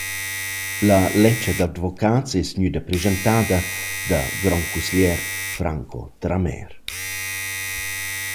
La ledscha d’avocats es gnüda preschantada da grandcusglier Franco Tramèr.